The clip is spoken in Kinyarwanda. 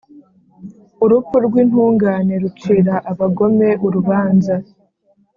Urupfu rw’intungane rucira abagome urubanza,